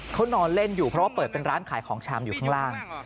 เขานอนเล่นอยู่เพราะว่าเปิดเป็นร้านขายของชามอยู่ข้างล่าง